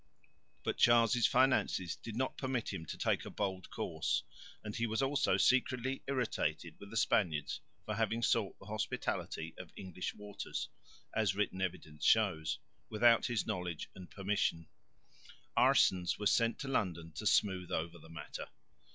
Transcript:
But Charles' finances did not permit him to take a bold course, and he was also secretly irritated with the Spaniards for having sought the hospitality of English waters (as written evidence shows) without his knowledge and permission. Aerssens was sent to London to smooth over the matter.